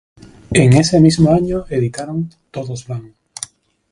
En ese mismo año editaron "Todos van".